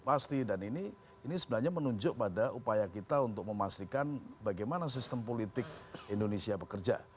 pasti dan ini sebenarnya menunjuk pada upaya kita untuk memastikan bagaimana sistem politik indonesia bekerja